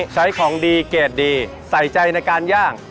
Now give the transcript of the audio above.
ใช้ของดีเกรดดีใส่ใจในการย่าง